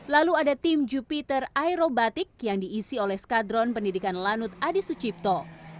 lalu ada tim jupiter aerobatik yang diisi oleh skadron pendidikan lanut adi sucipto